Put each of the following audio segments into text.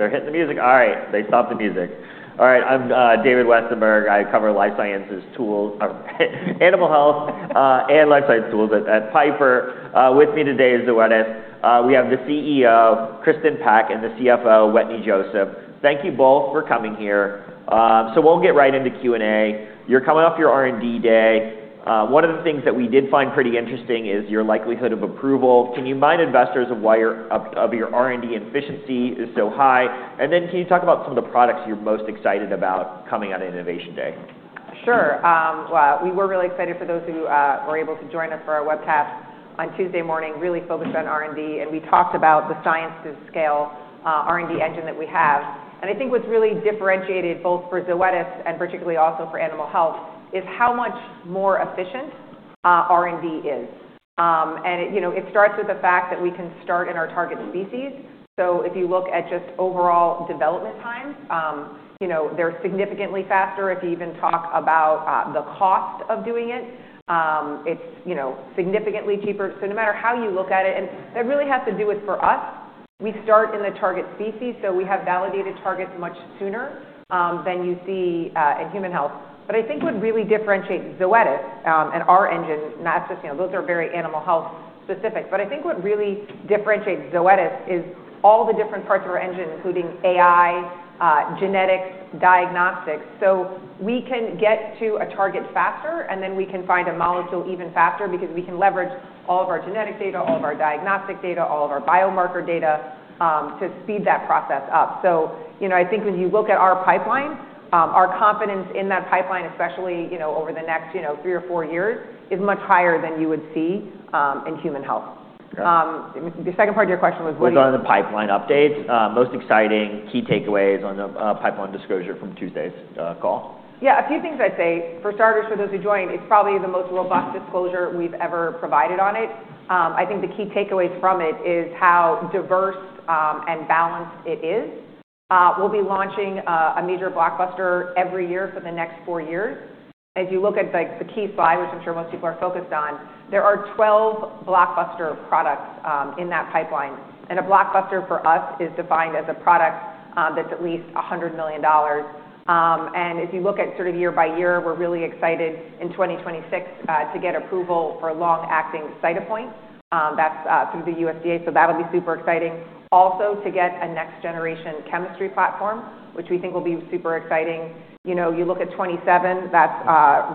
They're hitting the music. All right, they stopped the music. All right, I'm David Westenberg. I cover life sciences tools, animal health and life science tools at Piper. With me today is Wetteny. We have the CEO, Kristin Peck, and the CFO, Wetteny Joseph. Thank you both for coming here. So we'll get right into Q&A. You're coming off your R&D day. One of the things that we did find pretty interesting is your likelihood of approval. Can you remind investors of why your R&D efficiency is so high? And then can you talk about some of the products you're most excited about coming on Innovation Day? Sure. Well, we were really excited for those who were able to join us for our webcast on Tuesday morning, really focused on R&D. And we talked about the science-to-scale R&D engine that we have. And I think what's really differentiated both for Zoetis and particularly also for animal health is how much more efficient R&D is. And it starts with the fact that we can start in our target species. So if you look at just overall development times, they're significantly faster. If you even talk about the cost of doing it, it's significantly cheaper. So no matter how you look at it, and that really has to do with for us, we start in the target species. So we have validated targets much sooner than you see in human health. But I think what really differentiates Zoetis and our engine, those are very animal health specific. But I think what really differentiates Zoetis is all the different parts of our engine, including AI, genetics, diagnostics. So we can get to a target faster, and then we can find a molecule even faster because we can leverage all of our genetic data, all of our diagnostic data, all of our biomarker data to speed that process up. So I think when you look at our pipeline, our confidence in that pipeline, especially over the next three or four years, is much higher than you would see in human health. The second part of your question was. What's on the pipeline updates? Most exciting key takeaways on the pipeline disclosure from Tuesday's call? Yeah, a few things I'd say. For starters, for those who joined, it's probably the most robust disclosure we've ever provided on it. I think the key takeaways from it is how diverse and balanced it is. We'll be launching a major blockbuster every year for the next four years. As you look at the key slide, which I'm sure most people are focused on, there are 12 blockbuster products in that pipeline. And a blockbuster for us is defined as a product that's at least $100 million. And if you look at sort of year by year, we're really excited in 2026 to get approval for a long-acting Cytopoint. That's through the USDA. So that'll be super exciting. Also, to get a next-generation chemistry platform, which we think will be super exciting. You look at 2027, that's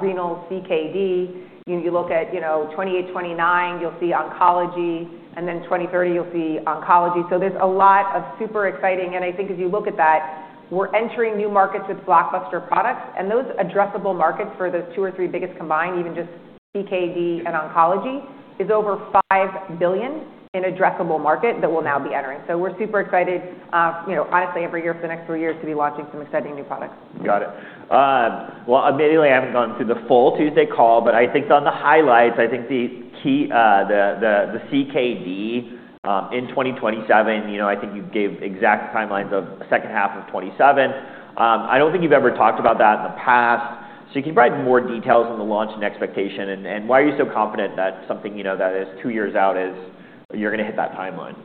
renal CKD. You look at 2028, 2029, you'll see oncology. And then 2020, 2030, you'll see oncology. So there's a lot of super exciting. And I think as you look at that, we're entering new markets with blockbuster products. And those addressable markets for the two or three biggest combined, even just CKD and oncology, is over $5 billion in addressable market that we'll now be entering. So we're super excited, honestly, every year for the next four years to be launching some exciting new products. Got it. Well, immediately, I haven't gone through the full Tuesday call, but I think on the highlights, I think the key, the CKD in 2027, I think you gave exact timelines of the second half of 2027. I don't think you've ever talked about that in the past. So can you provide more details on the launch and expectation? And why are you so confident that something that is two years out is you're going to hit that timeline?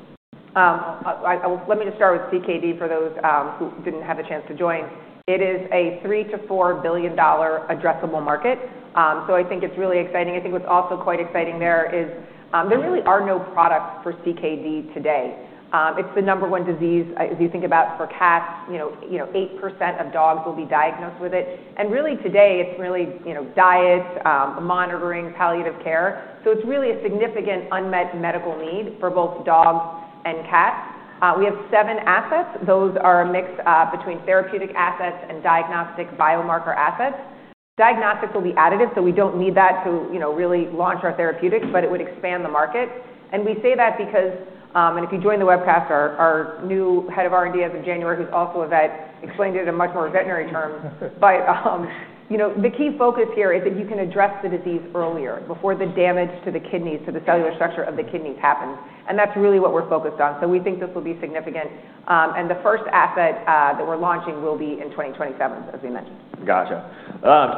Let me just start with CKD for those who didn't have a chance to join. It is a $3 billion-$4 billion addressable market, so I think it's really exciting. I think what's also quite exciting there is there really are no products for CKD today. It's the number one disease. If you think about for cats, 8% of dogs will be diagnosed with it, and really today, it's really diet, monitoring, palliative care. So it's really a significant unmet medical need for both dogs and cats. We have seven assets. Those are mixed between therapeutic assets and diagnostic biomarker assets. Diagnostics will be additive, so we don't need that to really launch our therapeutics, but it would expand the market. We say that because, and if you join the webcast, our new head of R&D, as of January, who's also a vet, explained it in much more veterinary terms. But the key focus here is that you can address the disease earlier, before the damage to the kidneys, to the cellular structure of the kidneys happens. And that's really what we're focused on. So we think this will be significant. And the first asset that we're launching will be in 2027, as we mentioned. Gotcha.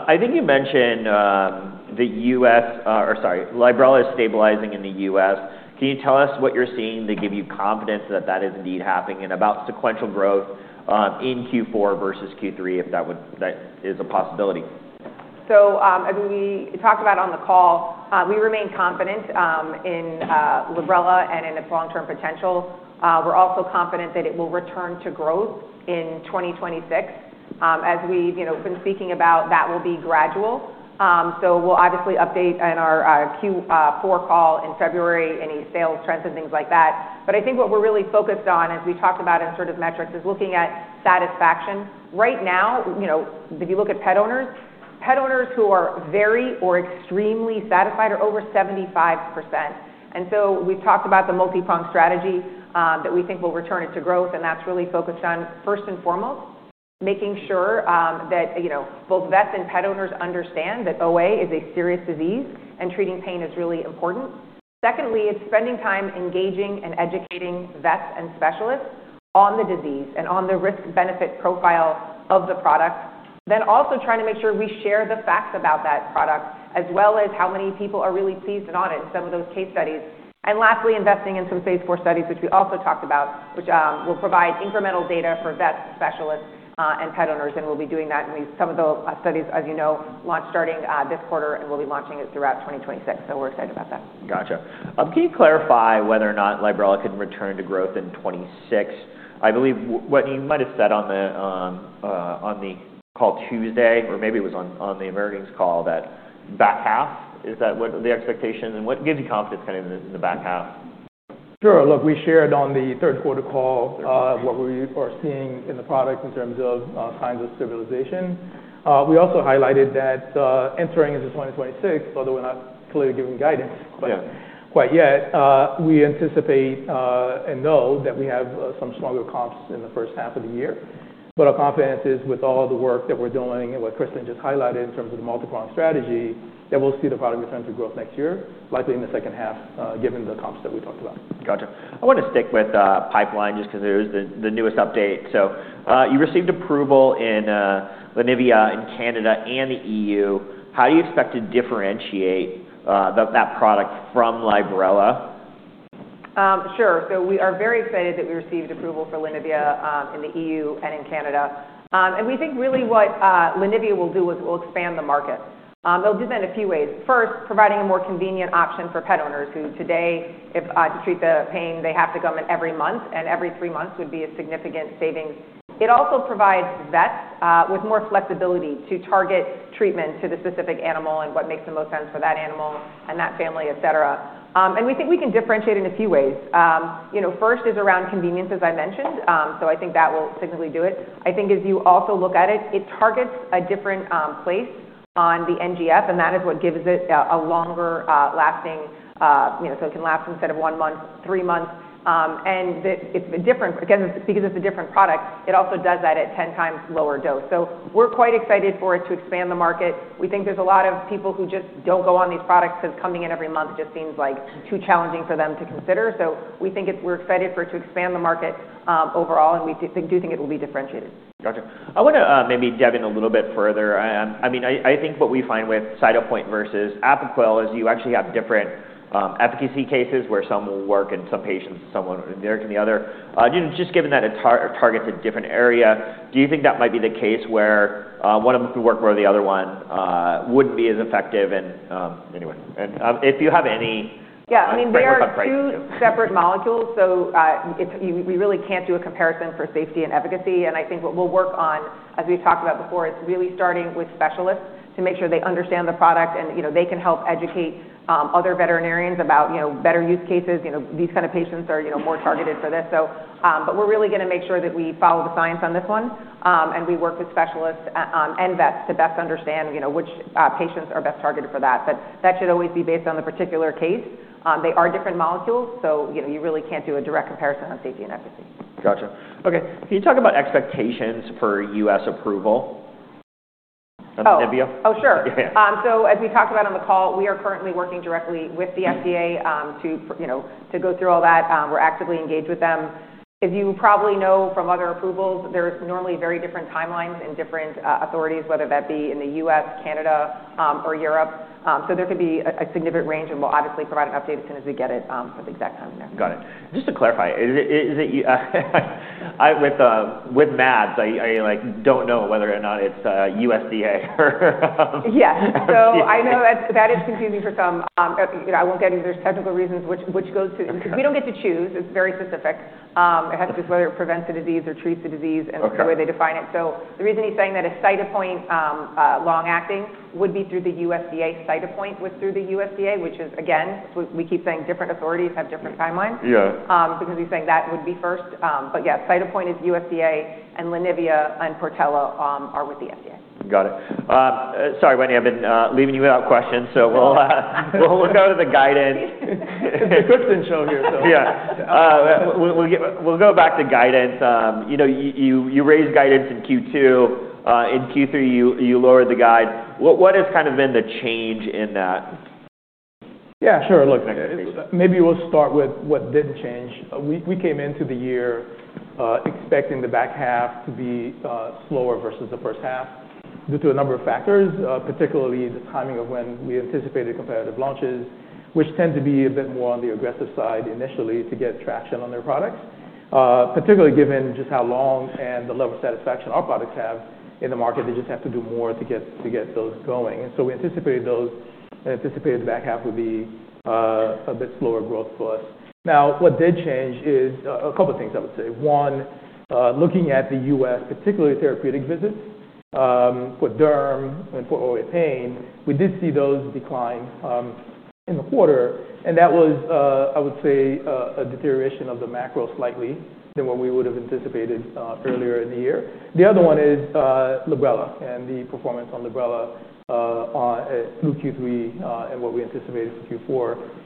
I think you mentioned the U.S., or sorry, Librela is stabilizing in the U.S. Can you tell us what you're seeing to give you confidence that that is indeed happening, and about sequential growth in Q4 versus Q3, if that is a possibility. So as we talked about on the call, we remain confident in Librela and in its long-term potential. We're also confident that it will return to growth in 2026. As we've been speaking about, that will be gradual. So we'll obviously update in our Q4 call in February, any sales trends and things like that. But I think what we're really focused on, as we talked about in sort of metrics, is looking at satisfaction. Right now, if you look at pet owners, pet owners who are very or extremely satisfied are over 75%. And so we've talked about the multi-prong strategy that we think will return it to growth. And that's really focused on, first and foremost, making sure that both vets and pet owners understand that OA is a serious disease and treating pain is really important. Secondly, it's spending time engaging and educating vets and specialists on the disease and on the risk-benefit profile of the product. Then also trying to make sure we share the facts about that product, as well as how many people are really pleased and honored in some of those case studies. And lastly, investing in some phase four studies, which we also talked about, which will provide incremental data for vets, specialists, and pet owners. And we'll be doing that. Some of the studies, as you know, launch starting this quarter, and we'll be launching it throughout 2026. So we're excited about that. Gotcha. Can you clarify whether or not Librela can return to growth in 2026? I believe what you might have said on the call Tuesday, or maybe it was on the Americas' call, that back half, is that the expectation? And what gives you confidence kind of in the back half? Sure. Look, we shared on the third quarter call what we are seeing in the product in terms of signs of stabilization. We also highlighted that entering into 2026, although we're not clearly giving guidance quite yet, we anticipate and know that we have some stronger comps in the first half of the year. But our confidence is with all the work that we're doing and what Kristin just highlighted in terms of the multi-prong strategy, that we'll see the product return to growth next year, likely in the second half, given the comps that we talked about. Gotcha. I want to stick with pipeline just because it was the newest update. So you received approval for Librela in Canada and the EU. How do you expect to differentiate that product from Librela? Sure, so we are very excited that we received approval for Librela in the EU and in Canada, and we think really what Librela will do is it will expand the market. It'll do that in a few ways. First, providing a more convenient option for pet owners who today, to treat the pain, they have to come in every month, and every three months would be a significant savings. It also provides vets with more flexibility to target treatment to the specific animal and what makes the most sense for that animal and that family, etc., and we think we can differentiate in a few ways. First is around convenience, as I mentioned, so I think that will significantly do it. I think as you also look at it, it targets a different place on the NGF, and that is what gives it a longer lasting. So it can last instead of one month, three months. And because it's a different product, it also does that at 10 times lower dose. So we're quite excited for it to expand the market. We think there's a lot of people who just don't go on these products because coming in every month just seems like too challenging for them to consider. So we think we're excited for it to expand the market overall, and we do think it will be differentiated. Gotcha. I want to maybe dive in a little bit further. I mean, I think what we find with Cytopoint versus Apoquel is you actually have different efficacy cases where some will work in some patients, some will work in the other. Just given that it targets a different area, do you think that might be the case where one of them could work where the other one wouldn't be as effective? And if you have any. Yeah, I mean, they are two separate molecules, so we really can't do a comparison for safety and efficacy, and I think what we'll work on, as we've talked about before, is really starting with specialists to make sure they understand the product and they can help educate other veterinarians about better use cases. These kinds of patients are more targeted for this, but we're really going to make sure that we follow the science on this one, and we work with specialists and vets to best understand which patients are best targeted for that, but that should always be based on the particular case. They are different molecules, so you really can't do a direct comparison on safety and efficacy. Gotcha. Okay. Can you talk about expectations for U.S. approval? That's Librela. Oh, sure. So as we talked about on the call, we are currently working directly with the FDA to go through all that. We're actively engaged with them. As you probably know from other approvals, there's normally very different timelines and different authorities, whether that be in the U.S., Canada, or Europe. So there could be a significant range, and we'll obviously provide an update as soon as we get it for the exact timing there. Got it. Just to clarify, with meds, I don't know whether or not it's USDA or. Yes, so I know that is confusing for some. I won't get into there are technical reasons, which goes to because we don't get to choose. It's very specific. It has to do with whether it prevents the disease or treats the disease and the way they define it. So the reason he's saying that a Cytopoint long-acting would be through the USDA. Cytopoint was through the USDA, which is, again, we keep saying different authorities have different timelines because he's saying that would be first. But yeah, Cytopoint is USDA, and Librela and Solensia are with the FDA. Got it. Sorry, Wetteny, I've been leaving you without questions, so we'll go to the guidance. is showing here, so. Yeah. We'll go back to guidance. You raised guidance in Q2. In Q3, you lowered the guide. What has kind of been the change in that? Yeah, sure. Look, maybe we'll start with what didn't change. We came into the year expecting the back half to be slower versus the first half due to a number of factors, particularly the timing of when we anticipated competitive launches, which tend to be a bit more on the aggressive side initially to get traction on their products. Particularly given just how long and the level of satisfaction our products have in the market, they just have to do more to get those going. And so we anticipated those and anticipated the back half would be a bit slower growth for us. Now, what did change is a couple of things, I would say. One, looking at the U.S., particularly therapeutic visits for derm and for OA pain, we did see those decline in the quarter. That was, I would say, a deterioration of the macro slightly than what we would have anticipated earlier in the year. The other one is Librela and the performance on Librela through Q3 and what we anticipated for Q4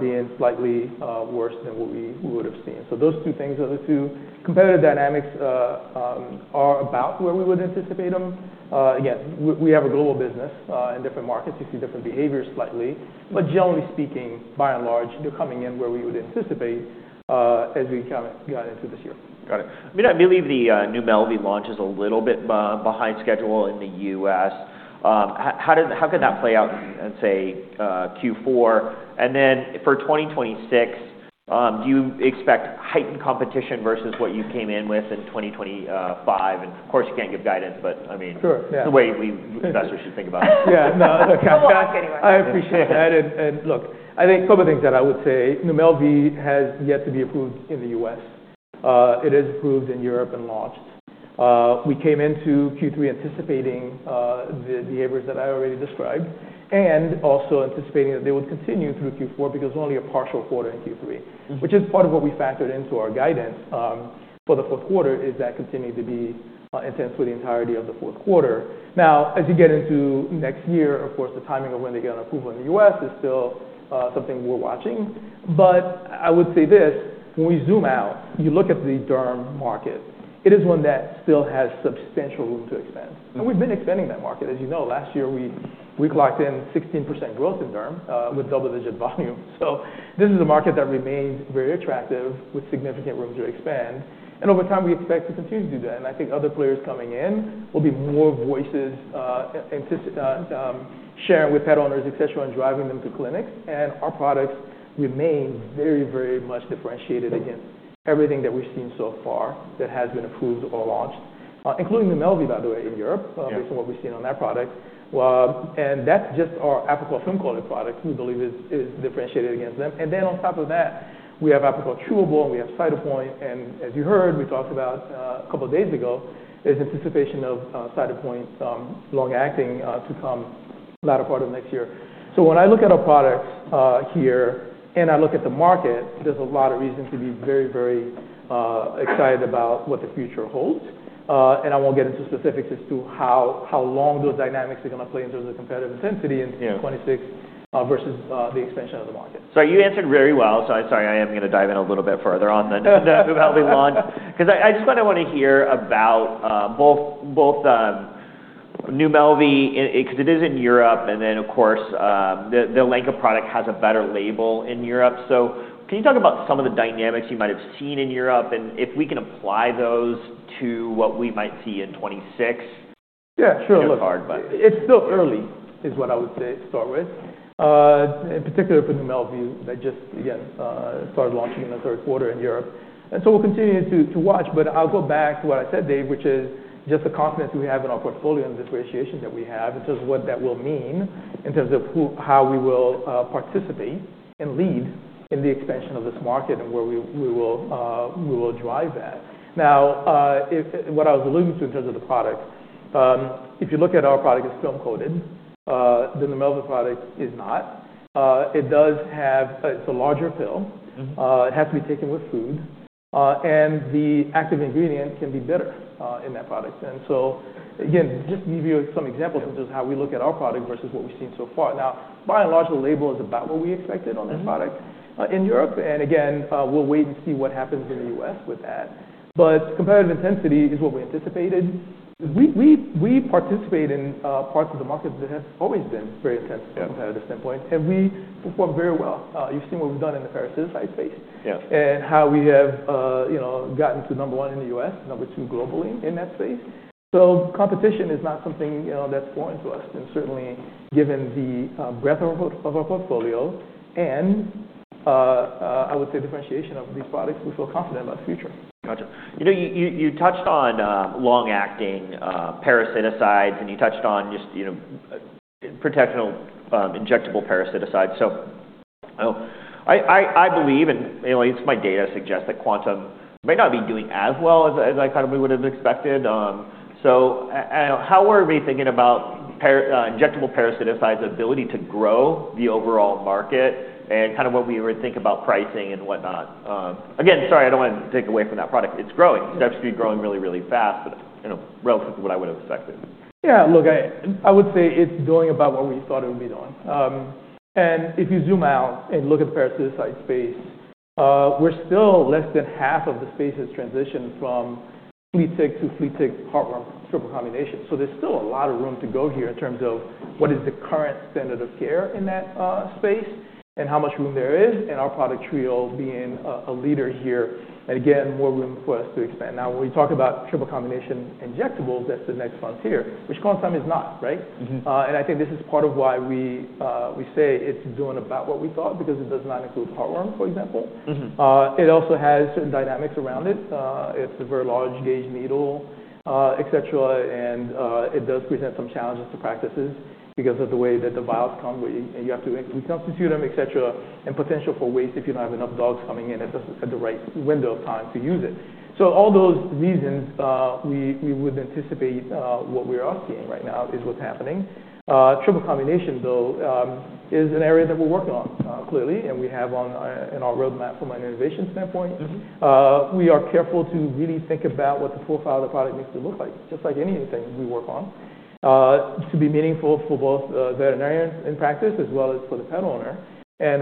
being slightly worse than what we would have seen. Those two things are the two. Competitive dynamics are about where we would anticipate them. Again, we have a global business in different markets. You see different behaviors slightly. Generally speaking, by and large, they're coming in where we would anticipate as we kind of got into this year. Got it. I mean, I believe the New Melby launch is a little bit behind schedule in the U.S. How can that play out in, say, Q4? And then for 2026, do you expect heightened competition versus what you came in with in 2025? And of course, you can't give guidance, but I mean, the way we investors should think about it. Yeah. No, I appreciate that, and look, I think a couple of things that I would say. New Melby has yet to be approved in the U.S. It is approved in Europe and launched. We came into Q3 anticipating the behaviors that I already described and also anticipating that they would continue through Q4 because only a partial quarter in Q3, which is part of what we factored into our guidance for the fourth quarter, is that continuing to be intense for the entirety of the fourth quarter. Now, as you get into next year, of course, the timing of when they get an approval in the U.S. is still something we're watching, but I would say this, when we zoom out, you look at the derm market, it is one that still has substantial room to expand, and we've been expanding that market. As you know, last year, we clocked in 16% growth in derm with double-digit volume, so this is a market that remains very attractive with significant room to expand, and over time, we expect to continue to do that, and I think other players coming in will be more voices sharing with pet owners, etc., and driving them to clinics, and our products remain very, very much differentiated against everything that we've seen so far that has been approved or launched, including the Melby, by the way, in Europe, based on what we've seen on that product, and that's just our Apoquel film-coated product we believe is differentiated against them, and then on top of that, we have Apoquel Chewable, and we have Cytopoint, and as you heard, we talked about a couple of days ago, there's anticipation of Cytopoint long-acting to come latter part of next year. So when I look at our products here and I look at the market, there's a lot of reason to be very, very excited about what the future holds. And I won't get into specifics as to how long those dynamics are going to play in terms of competitive intensity in 2026 versus the expansion of the market. So you answered very well. So, sorry, I am going to dive in a little bit further on the Librela launch. Because I just kind of want to hear about both new Librela, because it is in Europe, and then, of course, the Elanco product has a better label in Europe. So can you talk about some of the dynamics you might have seen in Europe and if we can apply those to what we might see in 2026? Yeah, sure. Look, it's still early, is what I would say to start with, in particular for New Melby. They just, again, started launching in the third quarter in Europe, and so we'll continue to watch, but I'll go back to what I said, Dave, which is just the confidence we have in our portfolio and the differentiation that we have in terms of what that will mean in terms of how we will participate and lead in the expansion of this market and where we will drive that. Now, what I was alluding to in terms of the product, if you look at our product as film-coated, then the Melby product is not. It does have a larger pill. It has to be taken with food. And the active ingredient can be bitter in that product. And so, again, just to give you some examples of just how we look at our product versus what we've seen so far. Now, by and large, the label is about what we expected on this product in Europe. And again, we'll wait and see what happens in the U.S. with that. But competitive intensity is what we anticipated. We participate in parts of the market that have always been very intense from a competitive standpoint, and we perform very well. You've seen what we've done in the parasiticide space and how we have gotten to number one in the U.S., number two globally in that space. So competition is not something that's foreign to us, and certainly given the breadth of our portfolio and, I would say, differentiation of these products, we feel confident about the future. Gotcha. You touched on long-acting parasiticides, and you touched on just protectional injectable parasiticides. So I believe, and at least my data suggests that Quantum might not be doing as well as I kind of would have expected. So how are we thinking about injectable parasiticides' ability to grow the overall market and kind of what we would think about pricing and whatnot? Again, sorry, I don't want to take away from that product. It's growing. It's actually growing really, really fast, but relative to what I would have expected. Yeah. Look, I would say it's doing about what we thought it would be doing. And if you zoom out and look at the parasiticide space, we're still less than half of the space has transitioned from flea and tick to flea and tick triple combination. So there's still a lot of room to go here in terms of what is the current standard of care in that space and how much room there is and our product Trio being a leader here. And again, more room for us to expand. Now, when we talk about triple combination injectables, that's the next frontier, which Quantum is not, right? And I think this is part of why we say it's doing about what we thought because it does not include heartworm, for example. It also has certain dynamics around it. It's a very large gauge needle, etc. It does present some challenges to practices because of the way that the vials come where you have to reconstitute them, etc., and potential for waste if you don't have enough dogs coming in at the right window of time to use it. All those reasons, we would anticipate what we are seeing right now is what's happening. Triple combination, though, is an area that we're working on clearly, and we have on our roadmap from an innovation standpoint. We are careful to really think about what the profile of the product needs to look like, just like anything we work on, to be meaningful for both veterinarians in practice as well as for the pet owner.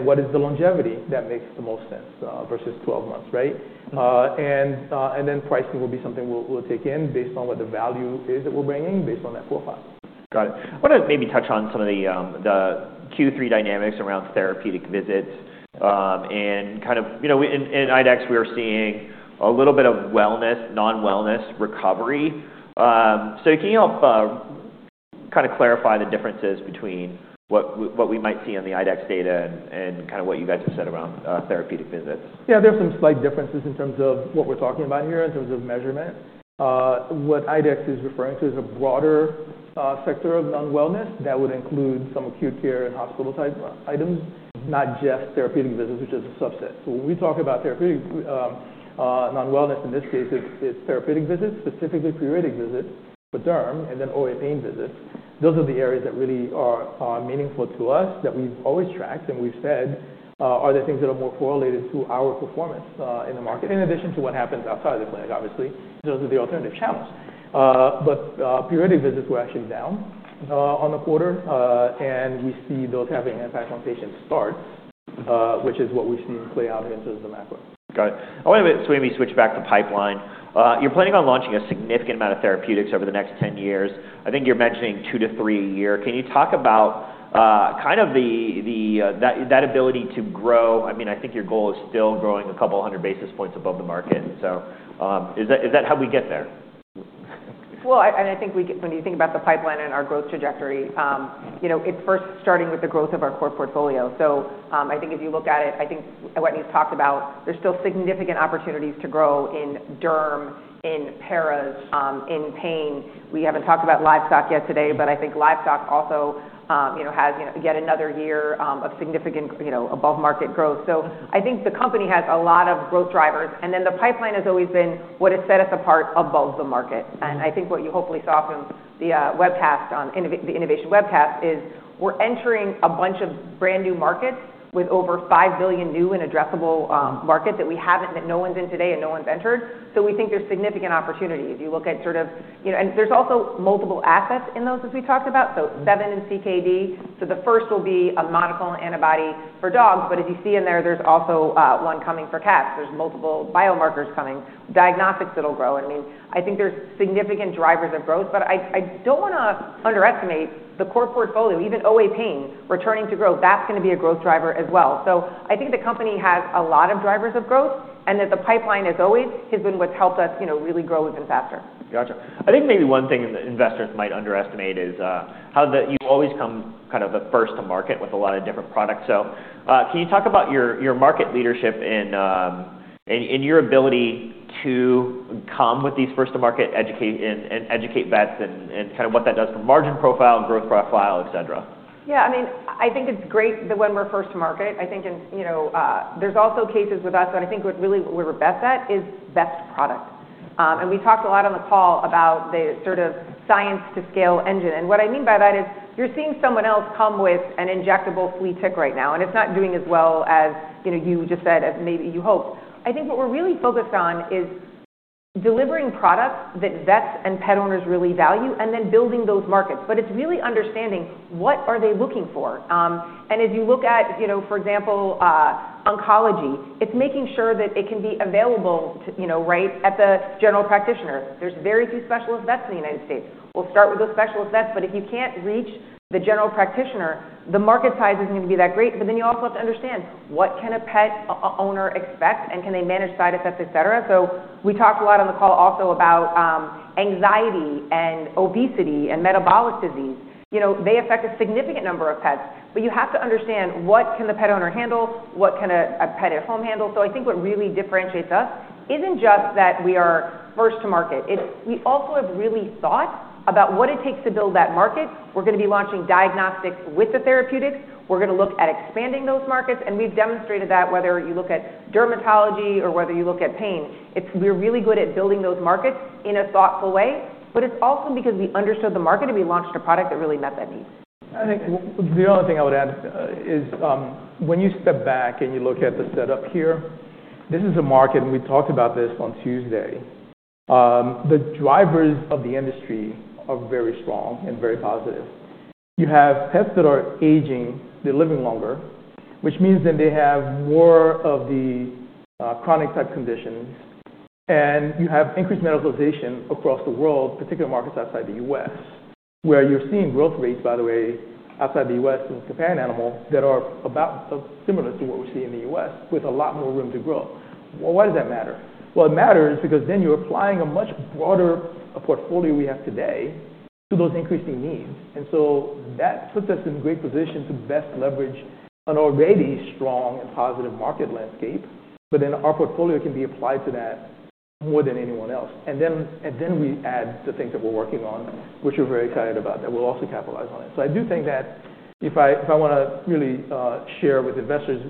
What is the longevity that makes the most sense versus 12 months, right? Pricing will be something we'll take in based on what the value is that we're bringing based on that profile. Got it. I want to maybe touch on some of the Q3 dynamics around therapeutic visits. And kind of in IDEXX, we are seeing a little bit of wellness, non-wellness recovery. So can you help kind of clarify the differences between what we might see on the IDEXX data and kind of what you guys have said around therapeutic visits? Yeah, there's some slight differences in terms of what we're talking about here in terms of measurement. What IDEXX is referring to is a broader sector of non-wellness that would include some acute care and hospital-type items, not just therapeutic visits, which is a subset. So when we talk about therapeutic non-wellness, in this case, it's therapeutic visits, specifically periodic visits for derm, and then OA pain visits. Those are the areas that really are meaningful to us that we've always tracked and we've said are the things that are more correlated to our performance in the market, in addition to what happens outside of the clinic, obviously, in terms of the alternative channels, but periodic visits were actually down on the quarter, and we see those having an impact on patient starts, which is what we've seen play out here in terms of the macro. Got it. I want to switch back to pipeline. You're planning on launching a significant amount of therapeutics over the next 10 years. I think you're mentioning two to three a year. Can you talk about kind of that ability to grow? I mean, I think your goal is still growing a couple hundred basis points above the market. So is that how we get there? Well, and I think when you think about the pipeline and our growth trajectory, it first starting with the growth of our core portfolio. So I think if you look at it, I think what he's talked about, there's still significant opportunities to grow in derm, in paras, in pain. We haven't talked about livestock yet today, but I think livestock also has yet another year of significant above-market growth. So I think the company has a lot of growth drivers. And then the pipeline has always been what has set us apart above the market. And I think what you hopefully saw from the webcast, the innovation webcast, is we're entering a bunch of brand new markets with over five billion new and addressable markets that we haven't, that no one's in today and no one's entered. So we think there's significant opportunities. You look at sort of, and there's also multiple assets in those, as we talked about, so seven in CKD. So the first will be a monoclonal antibody for dogs. But as you see in there, there's also one coming for cats. There's multiple biomarkers coming, diagnostics that will grow. I mean, I think there's significant drivers of growth, but I don't want to underestimate the core portfolio, even OA pain returning to growth. That's going to be a growth driver as well. So I think the company has a lot of drivers of growth and that the pipeline has always been what's helped us really grow even faster. Gotcha. I think maybe one thing investors might underestimate is how you always come kind of the first to market with a lot of different products. So can you talk about your market leadership and your ability to come with these first-to-market and educate vets and kind of what that does for margin profile, growth profile, etc.? Yeah. I mean, I think it's great that when we're first to market. I think there's also cases with us that I think really we're best at is best product, and we talked a lot on the call about the sort of science-to-scale engine. And what I mean by that is you're seeing someone else come with an injectable flea and tick right now, and it's not doing as well as you just said, as maybe you hoped. I think what we're really focused on is delivering products that vets and pet owners really value and then building those markets, but it's really understanding what are they looking for? And as you look at, for example, oncology, it's making sure that it can be available right at the general practitioner. There's very few specialist vets in the United States. We'll start with those specialist vets, but if you can't reach the general practitioner, the market size isn't going to be that great. But then you also have to understand what can a pet owner expect and can they manage side effects, etc. So we talked a lot on the call also about anxiety and obesity and metabolic disease. They affect a significant number of pets, but you have to understand what can the pet owner handle, what can a pet at home handle. So I think what really differentiates us isn't just that we are first to market. We also have really thought about what it takes to build that market. We're going to be launching diagnostics with the therapeutics. We're going to look at expanding those markets. And we've demonstrated that whether you look at dermatology or whether you look at pain, we're really good at building those markets in a thoughtful way. But it's also because we understood the market and we launched a product that really met that need. I think the other thing I would add is when you step back and you look at the setup here, this is a market, and we talked about this on Tuesday. The drivers of the industry are very strong and very positive. You have pets that are aging. They're living longer, which means then they have more of the chronic-type conditions. And you have increased medicalization across the world, particularly markets outside the U.S., where you're seeing growth rates, by the way, outside the U.S. in Japan, animals that are about similar to what we're seeing in the U.S. with a lot more room to grow. Well, why does that matter? Well, it matters because then you're applying a much broader portfolio we have today to those increasing needs. So that puts us in a great position to best leverage an already strong and positive market landscape, but then our portfolio can be applied to that more than anyone else. Then we add the things that we're working on, which we're very excited about, that we'll also capitalize on it. I do think that if I want to really share with investors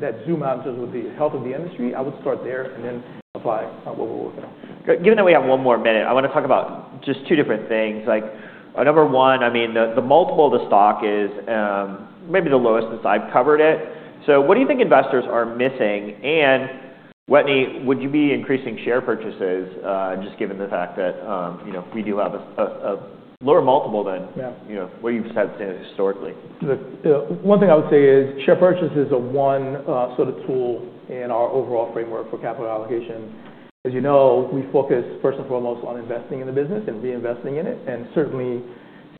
that zoom out in terms of the health of the industry, I would start there and then apply what we're working on. Given that we have one more minute, I want to talk about just two different things. Number one, I mean, the multiple of the stock is maybe the lowest since I've covered it. So what do you think investors are missing? And Wetteny, would you be increasing share purchases just given the fact that we do have a lower multiple than what you've said historically? One thing I would say is share purchase is a one sort of tool in our overall framework for capital allocation. As you know, we focus first and foremost on investing in the business and reinvesting in it, and certainly,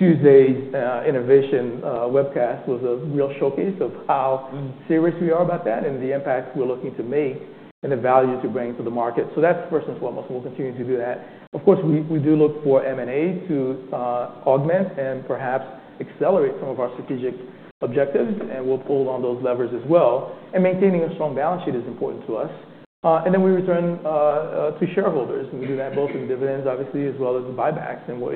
Tuesday's Innovation Webcast was a real showcase of how serious we are about that and the impact we're looking to make and the value to bring to the market, so that's first and foremost, and we'll continue to do that. Of course, we do look for M&A to augment and perhaps accelerate some of our strategic objectives, and we'll pull on those levers as well, and maintaining a strong balance sheet is important to us, and then we return to shareholders. We do that both in dividends, obviously, as well as buybacks, and what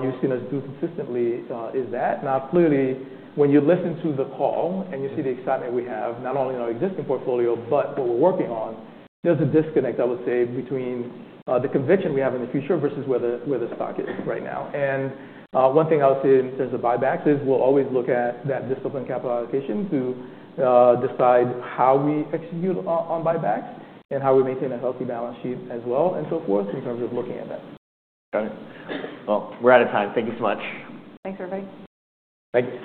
you've seen us do consistently is that. Now, clearly, when you listen to the call and you see the excitement we have, not only in our existing portfolio, but what we're working on, there's a disconnect, I would say, between the conviction we have in the future versus where the stock is right now, and one thing I would say in terms of buybacks is we'll always look at that disciplined capital allocation to decide how we execute on buybacks and how we maintain a healthy balance sheet as well and so forth in terms of looking at that. Got it. Well, we're out of time. Thank you so much. Thanks, everybody. Thanks.